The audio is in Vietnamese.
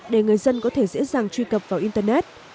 để người dân có thể dễ dàng truy cập vào internet